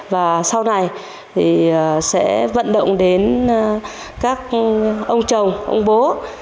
và sau này thì sẽ vận động đến các ông chồng ông bố